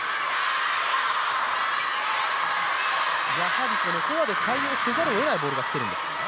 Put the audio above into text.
やはりフォアで対応せざるをえないボールが来ているんですか？